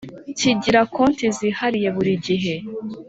kigira konti zihariye buri gihe